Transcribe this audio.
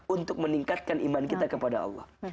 untuk meningkatkan iman kita kepada allah